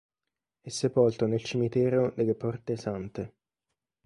È sepolto nel cimitero delle Porte Sante.